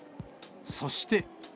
そして。